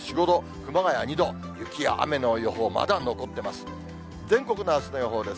熊谷２度、雪や雨の予報、まだ残ってます。